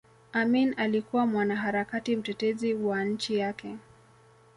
Amin alikuwa mwanaharakati mtetezi wa nchi yake